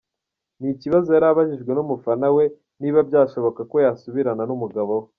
Ni ikibazo yari abajijwe n’umufana we niba byashoboka ko yasubirana n’umugabo we.